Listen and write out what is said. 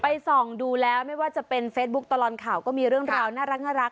ส่องดูแล้วไม่ว่าจะเป็นเฟซบุ๊คตลอดข่าวก็มีเรื่องราวน่ารัก